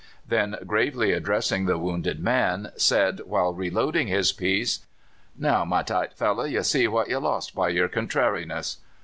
Then, gravely addressing the wounded man, said, while reloading his piece: "Now, my tight fellow, ye see what ye lost by your contrariness."